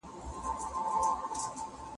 زه له سهاره مينه څرګندوم!؟